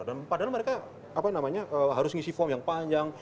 dan padahal mereka harus ngisi form yang panjang